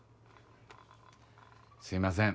すいません。